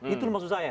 itu maksud saya